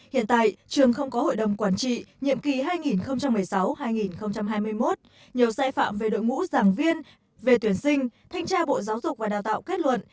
hiện tại trường không có hội đồng quản trị nhiệm kỳ hai nghìn một mươi sáu hai nghìn hai mươi một nhiều sai phạm về đội ngũ giảng viên về tuyển sinh thanh tra bộ giáo dục và đào tạo kết luận